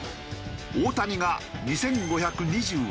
大谷が２５２８。